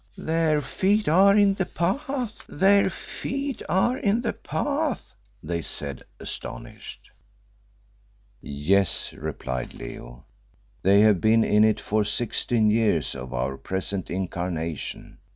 "Their feet are in the Path! Their feet are in the Path!" they said, astonished. "Yes," replied Leo, "they have been in it for sixteen years of our present incarnation.